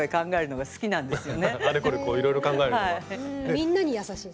みんなに優しい。